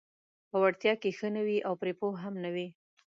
په وړتیا کې ښه نه وي او پرې پوه هم نه وي: